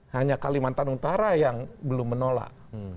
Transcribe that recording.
hanya kalimantan utara yang belum menolak